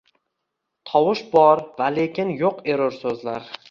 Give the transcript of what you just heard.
Tovush bor va lekin yo’q erur so’zlar.